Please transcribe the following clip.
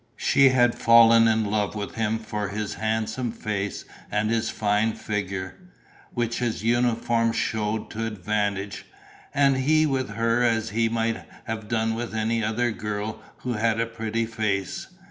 She had fallen in love with him for his handsome face and his fine figure, which his uniform showed to advantage, and he with her as he might have done with any other girl who had a pretty face.